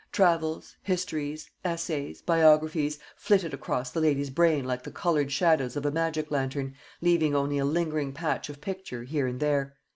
Travels, histories, essays, biographies, flitted across the lady's brain like the coloured shadows of a magic lantern, leaving only a lingering patch of picture here and there.